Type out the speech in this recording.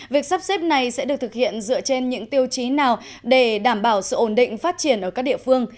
việc sắp xếp này sẽ được thực hiện dựa trên những tiêu chí nào để đảm bảo sự ổn định phát triển ở các địa phương